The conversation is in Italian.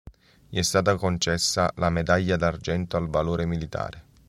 Gli è stata concessa la medaglia d'argento al valor militare.